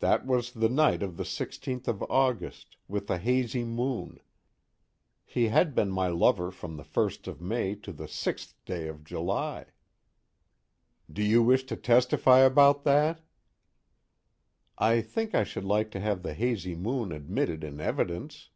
That was the night of the 16th of August, with a hazy moon. He had been my lover from the first of May to the sixth day of July._ DO YOU WISH TO TESTIFY ABOUT THAT? _I think I should like to have the hazy moon admitted in evidence.